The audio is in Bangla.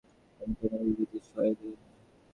সাধারণত, অমর্ত্য কোনো বিবৃতিতে সই দেন না।